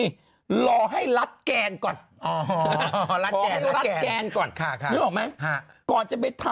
มารอให้ลัดแกล่งก่อน